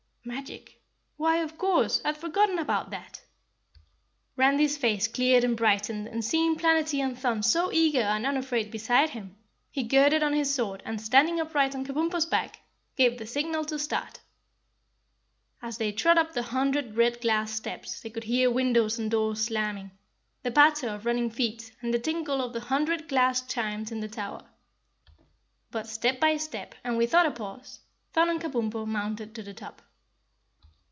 "Magic? Why, of course, I'd forgotten about that." Randy's face cleared and brightened and seeing Planetty and Thun so eager and unafraid beside him, he girded on his sword and standing upright on Kabumpo's back, gave the signal to start. As they trod up the hundred red glass steps they could hear windows and doors slamming, the patter of running feet and the tinkle of the hundred glass chimes in the tower. But step by step, and without a pause, Thun and Kabumpo mounted to the top.